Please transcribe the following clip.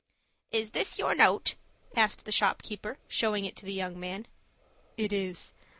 "Is this your note?" asked the shopkeeper, showing it to the young man. "It is."